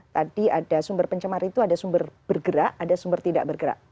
tadi ada sumber pencemar itu ada sumber bergerak ada sumber tidak bergerak